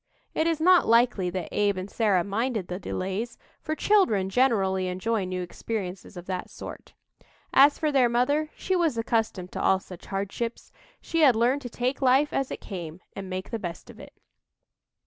It is not likely that Abe and Sarah minded the delays, for children generally enjoy new experiences of that sort. As for their mother, she was accustomed to all such hardships; she had learned to take life as it came and make the best of it.